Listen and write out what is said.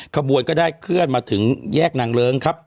ขบวนก็ได้เคลื่อนมาถึงแยกนางเลิ้งครับ